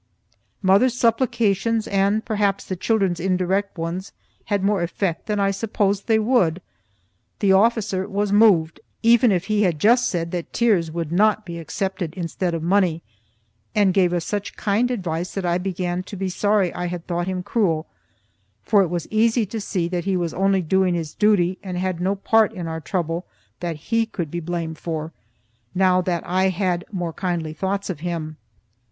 Mother's supplications, and perhaps the children's indirect ones, had more effect than I supposed they would. The officer was moved, even if he had just said that tears would not be accepted instead of money, and gave us such kind advice that I began to be sorry I had thought him cruel, for it was easy to see that he was only doing his duty and had no part in our trouble that he could be blamed for, now that I had more kindly thoughts of him.